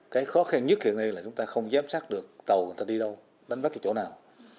cái khó khăn nhất hiện nay là chúng ta không giám sát được tàu người ta đi đâu đến bất kỳ chỗ nào